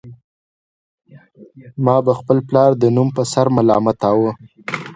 ما به خپل پلار د نوم په سر ملامتاوه